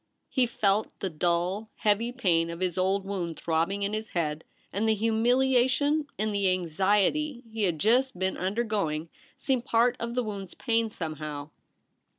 He felt the dull, heavy pain of his old wound throbbino: in his head, and the humiliation and the anxiety he had just been undergoing seemed part of the wound's pain somehow.